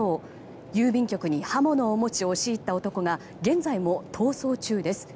郵便局に刃物を持ち押し入った男が現在も逃走中です。